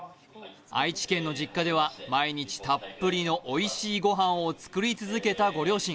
愛知県の実家では毎日たっぷりのおいしいご飯を作り続けたご両親。